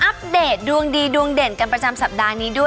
แอร์โหลดแล้วคุณล่ะโหลดแล้ว